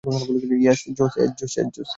Yes, JS!